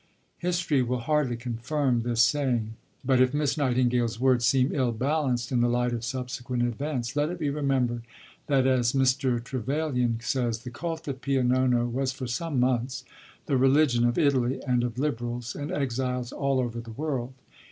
History will hardly confirm this saying; but if Miss Nightingale's words seem ill balanced in the light of subsequent events, let it be remembered that, as Mr. Trevelyan says, "the cult of Pio Nono was for some months the religion of Italy, and of Liberals and exiles all over the world.